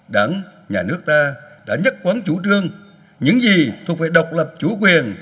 đảng nhà nước ta đã nhất quán chủ trương những gì thuộc về độc lập chủ quyền